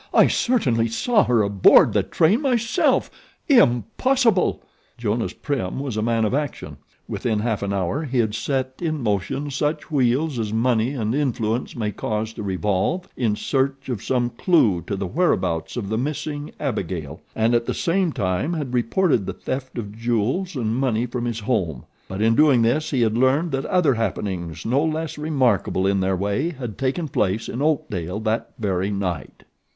"I certainly saw her aboard the train myself. Impossible!" Jonas Prim was a man of action. Within half an hour he had set in motion such wheels as money and influence may cause to revolve in search of some clew to the whereabouts of the missing Abigail, and at the same time had reported the theft of jewels and money from his home; but in doing this he had learned that other happenings no less remarkable in their way had taken place in Oakdale that very night.